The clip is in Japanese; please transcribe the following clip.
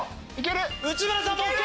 内村さんもＯＫ！